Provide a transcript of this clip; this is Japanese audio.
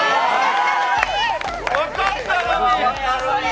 分かったのに！